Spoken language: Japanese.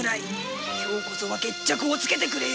今日こそ決着をつけてやる。